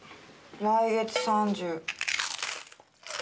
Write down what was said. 来月３０。